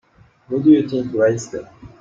Who do you think writes them?